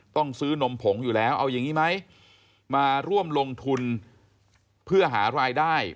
ต้องซื้อนมผงอยู่แล้วเอาอย่างนี้ไหมมาร่วมลงทุนเพื่อหารายได้